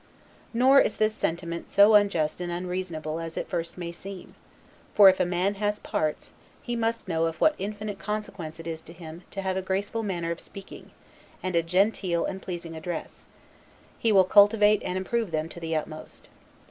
Nor is this sentiment so unjust and unreasonable as at first it may seem; for if a man has parts, he must know of what infinite consequence it is to him to have a graceful manner of speaking, and a genteel and pleasing address; he will cultivate and improve them to the utmost.